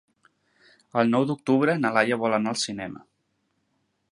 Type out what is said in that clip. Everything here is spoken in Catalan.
El nou d'octubre na Laia vol anar al cinema.